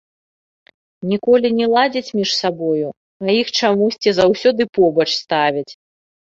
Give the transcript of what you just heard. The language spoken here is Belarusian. Ніколі не ладзяць між сабою, а іх чамусьці заўсёды побач ставяць.